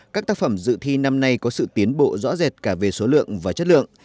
các tác phẩm dự thi năm nay có sự tiến bộ rõ rệt cả về số lượng và chất lượng